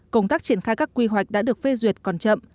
công tác triển khai các quy hoạch đã được phê duyệt còn chậm